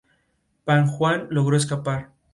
Fue sucedido por Wu Den-yih